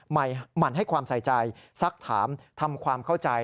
หมั่นให้ความใส่ใจสักถามทำความเข้าใจ